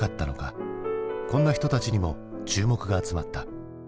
こんな人たちにも注目が集まった。